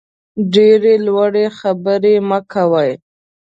ډېرې لوړې خبرې مه کوئ.